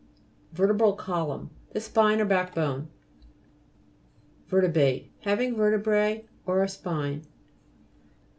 VE'RTEBRAL COLUMN The spine or back bone. VER'TETBATE Having vertebrae, or a spine.